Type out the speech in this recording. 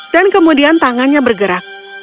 dan kemudian tangannya bergerak